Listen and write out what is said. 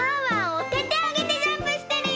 おててあげてジャンプしてるよ！